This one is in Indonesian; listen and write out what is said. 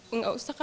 enggak usah kawat